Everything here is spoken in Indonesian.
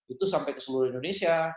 itu sampai ke seluruh indonesia